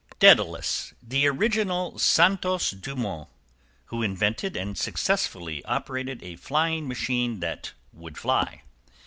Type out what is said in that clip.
=DAEDALUS. The original Santos Dumont, who invented and successfully operated a flying machine that would fly.